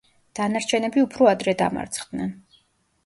დანარჩენები უფრო ადრე დამარცხდნენ.